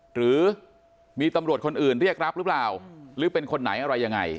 หรือมีตำรวจคนอื่นเรียกรับหรือเปล่าหรือเป็นคนไหนอะไรยังไง